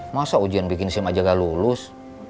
masa ujian bikin sim aja gak lulus